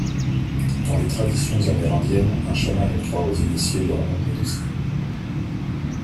Dans les traditions amérindiennes, un chaman octroie aux initiés leur nom médecine.